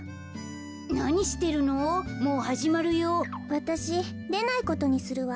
わたしでないことにするわ。